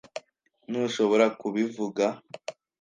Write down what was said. Ntushobora kubivuga.